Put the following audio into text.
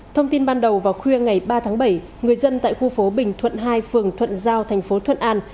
thông tin ban đầu vào khuya ngày ba tháng bảy người dân tại khu phố bình thuận hai phường thuận giao thành phố thuận an